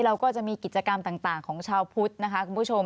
เราก็จะมีกิจกรรมต่างของชาวพุทธนะคะคุณผู้ชม